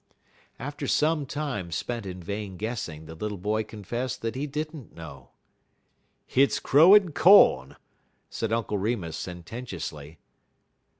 After some time spent in vain guessing, the little boy confessed that he did n't know. "Hit's crow en co'n," said Uncle Remus sententiously.